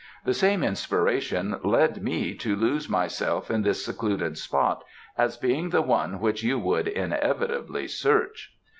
"The same inspiration led me to lose myself in this secluded spot, as being the one which you would inevitably search."